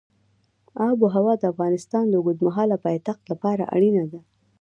آب وهوا د افغانستان د اوږدمهاله پایښت لپاره اړینه ده.